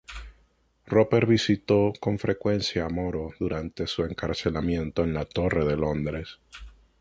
Roper visitó con frecuencia a Moro durante su encarcelamiento en la Torre de Londres.